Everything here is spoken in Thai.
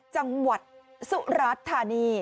จังหวัดสุราธานี